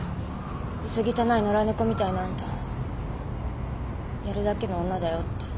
薄汚い野良猫みたいなあんたやるだけの女だよって。